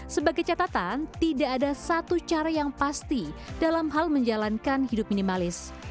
sebagai catatan tidak ada satu cara yang pasti dalam hal menjalankan hidup minimalis